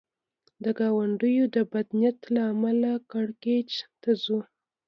د ګاونډیو د بد نیت له امله کړکېچ ته ځو.